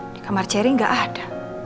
di kamar ceri nggak ada